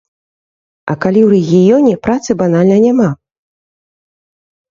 А калі ў рэгіёне працы банальна няма?